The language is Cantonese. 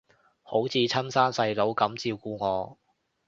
好似親生細佬噉照顧我